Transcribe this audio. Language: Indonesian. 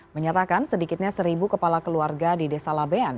menyatakan sedikitnya seribu kepala keluarga di desa labean